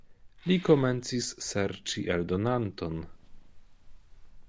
Li komencis serĉi eldonanton.